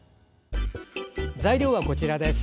材料はこちらです。